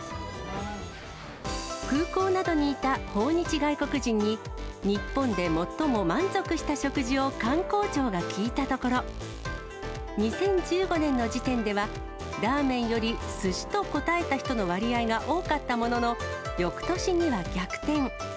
空港などにいた訪日外国人に、日本で最も満足した食事を観光庁が聞いたところ、２０１５年の時点では、ラーメンよりすしと答えた人の割合が多かったものの、よくとしには逆転。